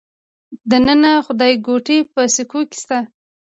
د ننه خدایګوټې په سکو کې شته